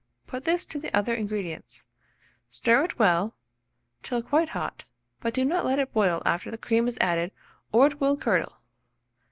Put this to the other ingredients; stir it well till quite hot, but do not let it boil after the cream is added, or it will curdle.